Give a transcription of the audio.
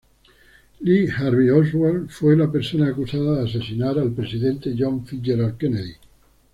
Lee Harvey Oswald fue la persona acusada de asesinar al presidente John F. Kennedy.